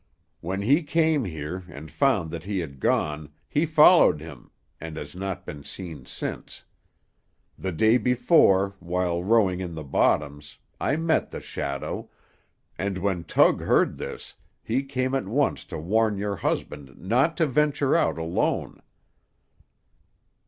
When he came here, and found that he had gone, he followed him, and has not been seen since. The day before, while rowing in the bottoms, I met the shadow, and when Tug heard this, he came at once to warn your husband not to venture out alone."